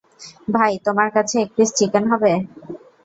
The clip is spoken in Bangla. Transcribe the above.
ভাই, তোমার কাছে এক পিস চিকেন হবে।